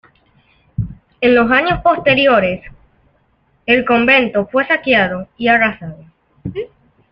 En los años posteriores el convento fue saqueado y arrasado.